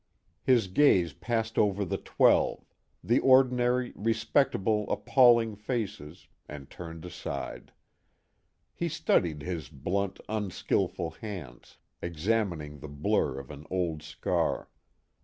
His gaze passed over the Twelve, the ordinary, respectable, appalling faces, and turned aside. He studied his blunt, unskillful hands, examining the blur of an old scar.